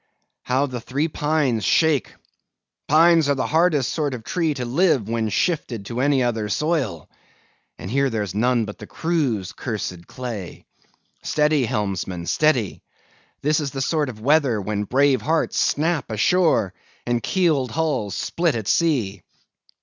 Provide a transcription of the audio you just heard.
How the three pines shake! Pines are the hardest sort of tree to live when shifted to any other soil, and here there's none but the crew's cursed clay. Steady, helmsman! steady. This is the sort of weather when brave hearts snap ashore, and keeled hulls split at sea.